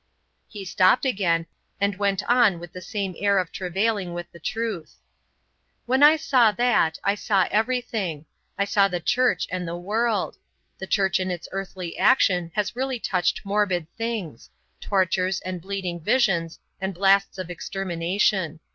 He stopped again, and went on with the same air of travailing with the truth: "When I saw that, I saw everything; I saw the Church and the world. The Church in its earthly action has really touched morbid things tortures and bleeding visions and blasts of extermination.